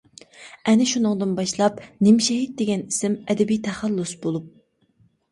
ئەنە شۇنىڭدىن باشلاپ «نىمشېھىت» دېگەن ئىسىم ئەدەبىي تەخەللۇس بولۇپ.